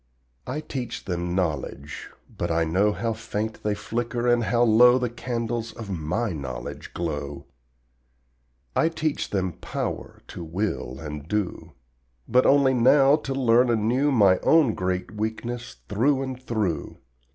I teach them KNOWLEDGE, but I know How faint they flicker and how low The candles of my knowledge glow. I teach them POWER to will and do, But only now to learn anew My own great weakness through and through.